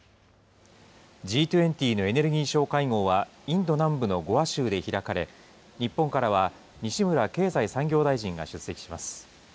Ｇ２０のエネルギー相会合はインド南部のゴア州で開かれ、日本からは西村経済産業大臣が出席します。